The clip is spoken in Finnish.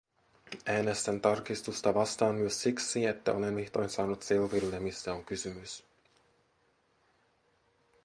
Äänestän tarkistusta vastaan myös siksi, että olen vihdoin saanut selville, mistä on kysymys.